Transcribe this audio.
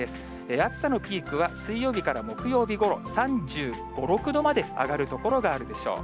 暑さのピークは水曜日から木曜日ごろ、３５、６度まで上がる所があるでしょう。